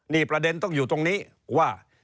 นี่ประเด็นต้องอยู่ตรงนี้ว่า